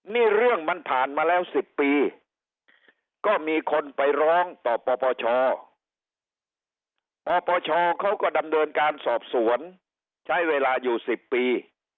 นี่เรื่องมันผ่านมาแล้ว๑๐ปีก็มีคนไปร้องต่อปปชปปชเขาก็ดำเนินการสอบสวนใช้เวลาอยู่๑๐ปี